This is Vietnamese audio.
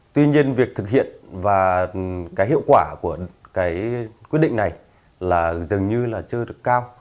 tuy nhiên việc thực hiện và cái hiệu quả của cái quyết định này là dường như là chưa được cao